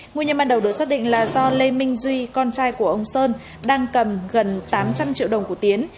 nguyên nhân ban đầu được xác định là do lê minh duy con trai của ông sơn đang cầm gần tám trăm linh triệu đồng của tiến